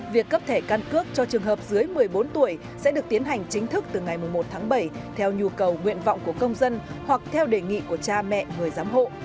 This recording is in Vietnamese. việc cấp thẻ căn cước cho trường hợp dưới một mươi bốn tuổi sẽ được tiến hành chính thức từ ngày một tháng bảy theo nhu cầu nguyện vọng của công dân hoặc theo đề nghị của cha mẹ người giám hộ